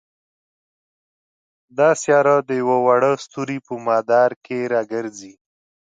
دا سیاره د یوه واړه ستوري په مدار کې را ګرځي.